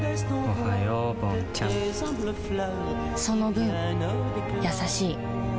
その分優しい